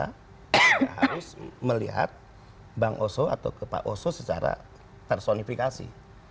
tidak harus melihat bang oso atau ke pak oso secara tersonifikasi